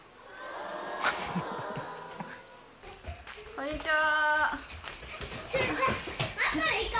こんにちは。